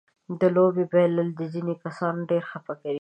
د لوبې بایلل ځينې کسان ډېر خپه کوي.